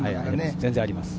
全然あります。